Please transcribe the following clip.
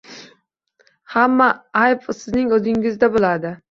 Hamma ayb sizning o‘zingizda bo‘ladi.